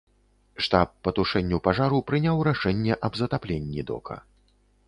Штаб па тушэнню пажару прыняў рашэнне аб затапленні дока.